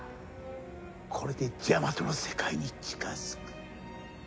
これでジャマトの世界に近づく。